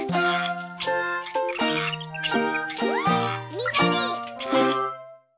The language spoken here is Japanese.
みどり！